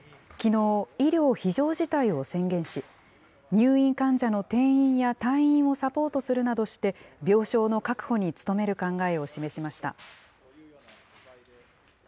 きのう、医療非常事態を宣言し、入院患者の転院や退院をサポートするなどして、病床の確保に努める考えを示しました。